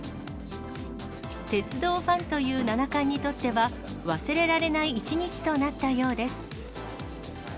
鉄道ファンという七冠にとっては、忘れられない一日となったようです。